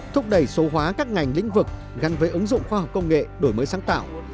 thúc đẩy số hóa các ngành lĩnh vực gắn với ứng dụng khoa học công nghệ đổi mới sáng tạo